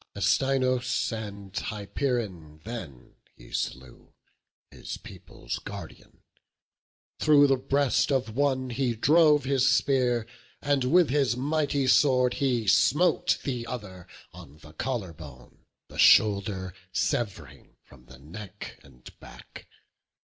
Astynous and Hypeiron then he slew, His people's guardian; through the breast of one He drove his spear, and with his mighty sword He smote the other on the collar bone, The shoulder sev'ring from the neck and back.